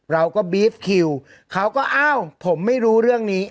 เราก็บีฟคิวเขาก็อ้าวผมไม่รู้เรื่องนี้